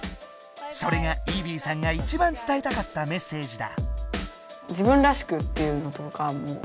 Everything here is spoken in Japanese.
それがイーヴィーさんが一番伝えたかったメッセージだ。